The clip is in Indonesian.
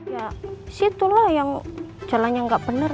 ya situlah yang jalannya nggak benar